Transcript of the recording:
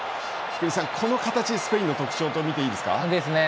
福西さん、この形スペインの特徴と見ていいですか。ですね。